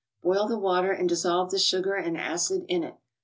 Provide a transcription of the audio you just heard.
Boil the water and dissolve the sugar and acid in it.